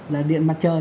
là điện mặt trời